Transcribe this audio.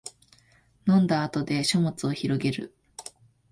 飲んだ後で書物をひろげる